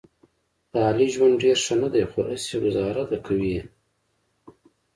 د علي ژوند ډېر ښه نه دی، خو هسې ګوزاره ده کوي یې.